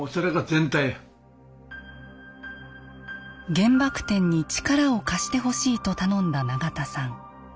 原爆展に力を貸してほしいと頼んだ永田さん。